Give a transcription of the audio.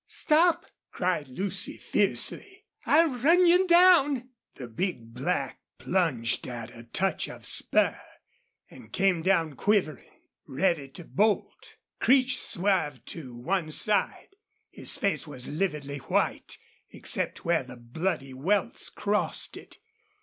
"Stop!" cried Lucy, fiercely. "I'll run you down!" The big black plunged at a touch of spur and came down quivering, ready to bolt. Creech swerved to one side. His face was lividly white except where the bloody welts crossed it.